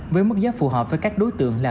với mức giá phù hợp với các đối tượng là